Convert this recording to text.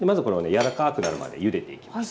柔らかくなるまでゆでていきます。